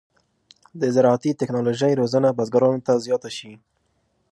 د زراعتي تکنالوژۍ روزنه بزګرانو ته زیاته شي.